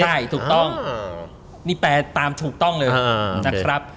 ใช่ถูกต้องนี่แปลตามถูกต้องเลย